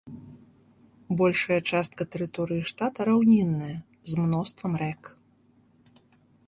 Большая частка тэрыторыі штата раўнінная, з мноствам рэк.